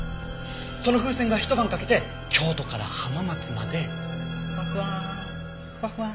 その風船がひと晩かけて京都から浜松までふわふわふわふわ。